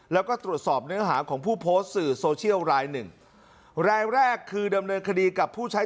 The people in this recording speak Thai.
แล้วก็ตรวจสอบเนื้อหาของผู้โพสต์สื่อโซเชียลรายหนึ่งรายแรกคือดำเนินคดีกับผู้ใช้